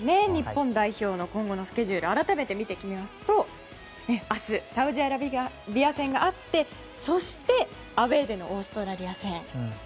日本代表の今後のスケジュールを改めて見ていきますと明日、サウジアラビア戦があってそして、アウェーでのオーストラリア戦。